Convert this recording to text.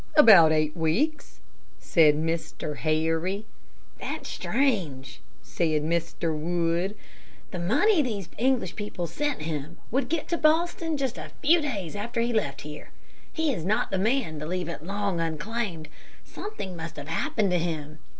"About eight weeks," said Mr. Harry. "That's strange," said Mr. Wood. "The money these English people sent him would get to Boston just a few days after he left here. He is not the man to leave it long unclaimed. Something must have happened to him.